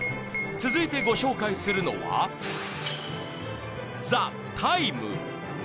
続いてご紹介するのは「ＴＨＥＴＩＭＥ，」